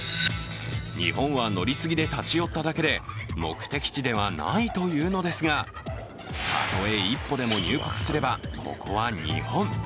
日本は乗り継ぎで立ち寄っただけで、目的地ではないというのですが、たとえ１歩でも入国すればここは日本。